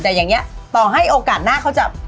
แต่อย่างนี้ต่อให้โอกาสหน้าเขาจะ